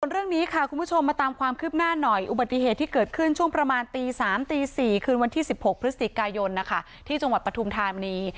เรื่องนี้ค่ะคุณผู้ชมมาตามความคืบหน้าหน่อยอุบัติเหตุที่เกิดขึ้นช่วงประมาณตี๓ตี๔คืนวันที่๑๖พฤศจิกายนที่จังหวัดปฐุมธานี